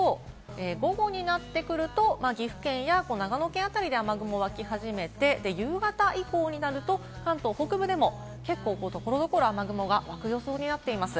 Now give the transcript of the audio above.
午後になってくると、岐阜県や長野県辺りで雨雲がわき始めて、夕方以降になると、関東北部でも所々雨雲が湧く予想になっています。